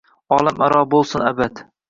Olam aro boʼlsin abad